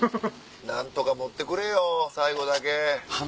何とか持ってくれよ最後だけ。